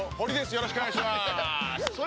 よろしくお願いします！